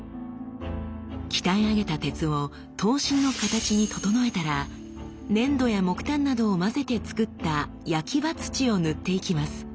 鍛え上げた鉄を刀身の形に整えたら粘土や木炭などを混ぜてつくった焼刃土を塗っていきます。